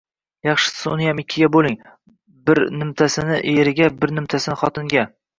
Yaxshisi, uniyam ikkiga bo’ling! Bir nimtasi-erga! Bir nimtasi xotinga!